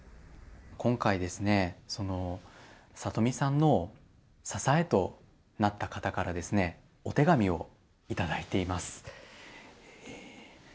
今回ですねその里見さんの支えとなった方からですねお手紙をいただいています。